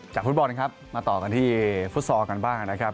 ฟุตบอลครับมาต่อกันที่ฟุตซอลกันบ้างนะครับ